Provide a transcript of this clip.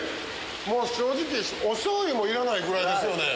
もう正直お醤油もいらないぐらいですよね